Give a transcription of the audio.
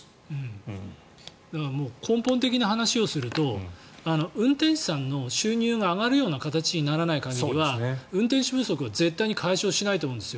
根本的な話をすると運転手さんの収入が上がるような形にならない限りは運転手不足は絶対に解消しないと思うんです。